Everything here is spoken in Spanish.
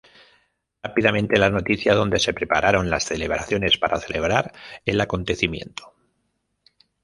Rápidamente la noticia donde se prepararon las celebraciones para celebrar el acontecimiento.